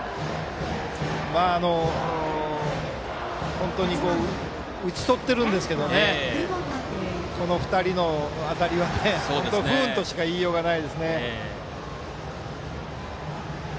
本当に打ち取っているんですけどこの２人の当たりは不運としかいいようがないですね。